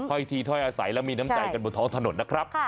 ท้อยทีทอยอาศัยแล้วมีน้ำใจเกิดบนท้องถนนนะครับ